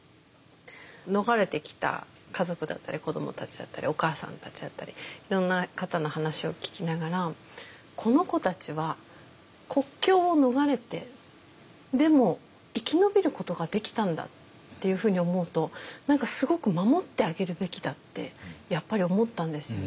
逃れてきた家族だったり子どもたちだったりお母さんたちだったりいろんな方の話を聞きながらこの子たちは国境を逃れてでも生き延びることができたんだっていうふうに思うと何かすごく守ってあげるべきだってやっぱり思ったんですよね。